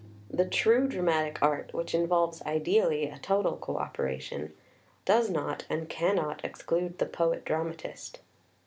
The true dramatic art which involves ideally a total cooperation does not, and cannot, ex clude the poet dramatist.